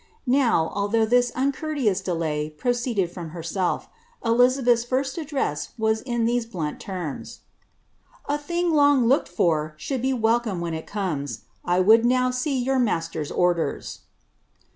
Now, although this uncourteous delay proceed from herself, Elizabeth's (irsl address was in these bluni terms: —' thing long looked for should be welcome when it comes ; 1 would nc see your maslcr's orders."